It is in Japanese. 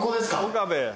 岡部。